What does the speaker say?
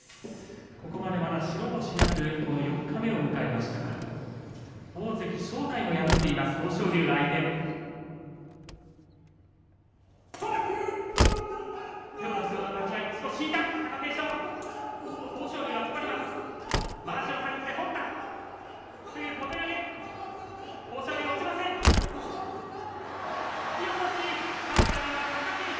手を出すような立ち合い、少し引いた、貴景勝。